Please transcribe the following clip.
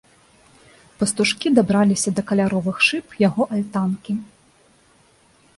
Пастушкі дабраліся да каляровых шыб яго альтанкі.